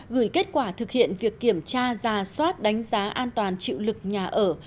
gửi kết quả thực hiện việc kiểm tra ra soát đánh giá an toàn chịu lực nhà ở